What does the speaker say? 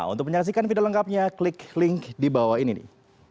untuk menyaksikan video lengkapnya klik link di bawah ini nih